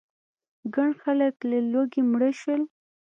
ګڼ خلک له لوږې مړه شول.